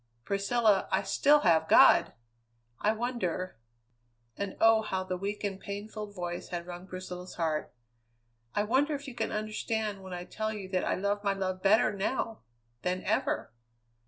Priscilla, I still have God! I wonder" and, oh! how the weak, pain filled voice had wrung Priscilla's heart "I wonder if you can understand when I tell you that I love my love better now than ever?